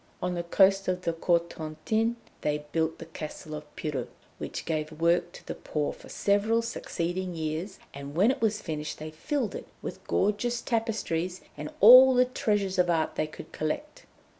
On the coast of the Cotentin they built the Castle of Pirou, which gave work to the poor for several succeeding years, and when it was finished they filled it with gorgeous tapestries and all the treasures of art they could collect.